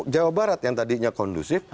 jawa barat yang tadinya kondusif